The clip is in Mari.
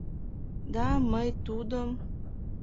Да мый тудым...